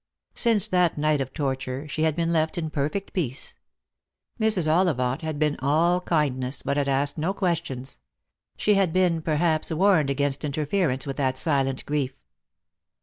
Since that night of torture she had been left in perfect peace. Mrs. Ollivant had been all kindness, but had asked no questions. She had been, perhaps, warned against interference with that silent grief.